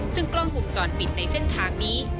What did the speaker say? ซึ่งกล้องวงจรปิดในเส้นทางนี้